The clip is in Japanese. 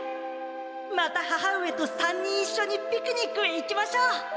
また母上と３人いっしょにピクニックへ行きましょう！